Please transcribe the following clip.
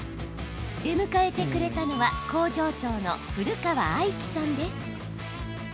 出迎えてくれたのは工場長の古川愛樹さんです。